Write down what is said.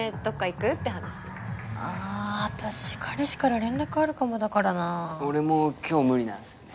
話あ私彼氏から連絡あるかもだからな俺も今日無理なんすよね